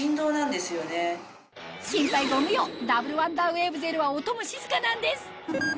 心配ご無用ダブルワンダーウェーブゼロは音も静かなんです